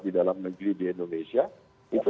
di dalam negeri di indonesia itu